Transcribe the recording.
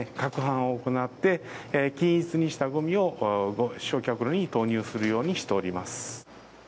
攪拌を行って均一にしたごみを焼却炉に投入するようにしております。